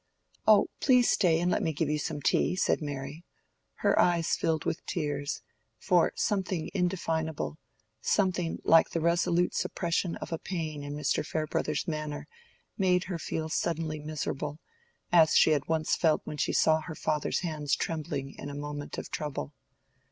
"Oh, please stay, and let me give you some tea," said Mary. Her eyes filled with tears, for something indefinable, something like the resolute suppression of a pain in Mr. Farebrother's manner, made her feel suddenly miserable, as she had once felt when she saw her father's hands trembling in a moment of trouble.